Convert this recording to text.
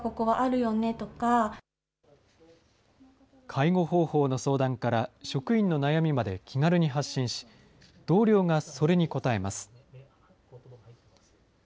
介護方法の相談から、職員の悩みまで気軽に発信し、同僚がそれに答えます。